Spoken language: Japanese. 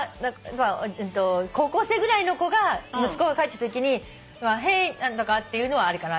高校生ぐらいの息子が帰ってきたときに「Ｈｅｙ○○」って言うのはありかな。